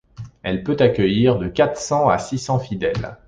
Elle peut accueillir de quatre cents à six cents fidèles.